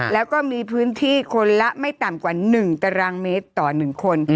แล้วก็มีพื้นที่คนละไม่ต่ำกว่า๑ตารางเมตรต่อ๑คน